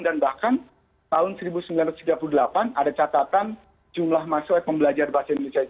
dan bahkan tahun seribu sembilan ratus tiga puluh delapan ada catatan jumlah mahasiswa yang pembelajar bahasa indonesia itu